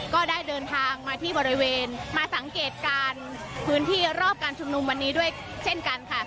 ก็ได้เดินทางมาที่บริเวณมาสังเกตการณ์พื้นที่รอบการชุมนุมวันนี้ด้วยเช่นกันค่ะ